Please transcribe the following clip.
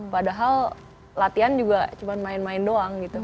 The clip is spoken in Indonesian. padahal latihan juga cuma main main doang gitu